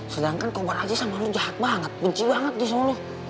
sedangkan kobar aja sama lo jahat banget benci banget dia sama lo